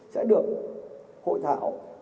sẽ được hội thảo